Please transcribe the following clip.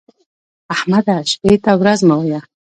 احمده! شپې ته ورځ مه وايه.